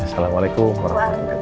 assalamualaikum warahmatullahi wabarakatuh